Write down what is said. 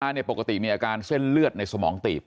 ปกติมีอาการเส้นเลือดในสมองตีบ